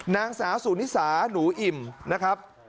นางสาวสุนิสาหนูอิ่มนะครับ